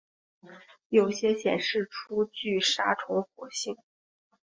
有些显示出具杀虫活性。